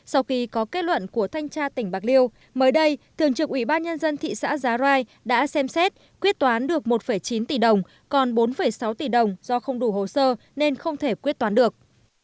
theo kết luận của thanh tra tỉnh bạc liêu thường trưởng ubnd thị xã giá rai đã xem xét quyết toán được một chín tỷ đồng còn bốn sáu tỷ đồng do không đủ hồ sơ nên không thể quyết toán được